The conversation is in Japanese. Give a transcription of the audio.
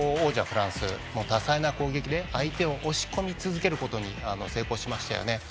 フランス多彩な攻撃で相手を押し込み続けることに成功しましたよね。